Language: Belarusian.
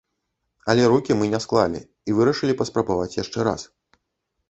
Але рукі мы не склалі і вырашылі паспрабаваць яшчэ раз.